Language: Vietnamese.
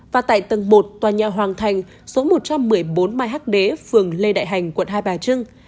và tại tầng một tòa nhà hoàng thành số một trăm một mươi bốn mai hc đế phường lê đại hành quận hai bà trưng